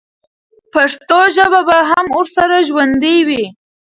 پښتو ژبه به هم ورسره ژوندۍ وي.